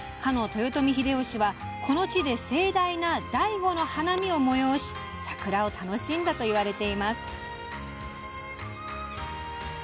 豊臣秀吉はこの地で盛大な醍醐の花見を催し桜を楽しんだといわれています。